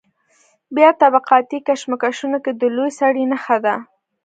په طبقاتي کشمکشونو کې د لوی سړي نښه ده.